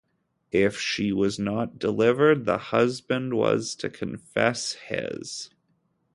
If she was not delivered, the husband was to confess his.